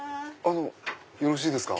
よろしいですか？